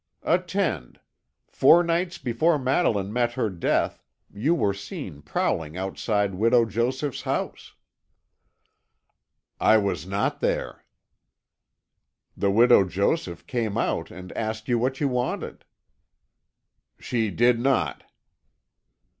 "Attend. Four nights before Madeline met her death you were seen prowling outside Widow Joseph's house." "I was not there." "The Widow Joseph came out and asked you what you wanted." "She did not."